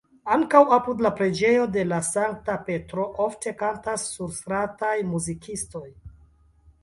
Ankaŭ apud la preĝejo de la sankta Petro ofte kantas surstrataj muzikistoj.